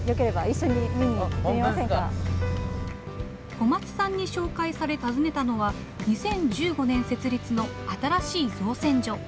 小松さんに紹介され訪ねたのは２０１５年設立の新しい造船所。